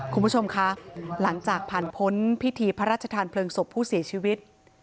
คุณผู้ชมคะหลังจากผ่านพ้นพิธีพระราชทานเพลิงศพผู้เสียชีวิต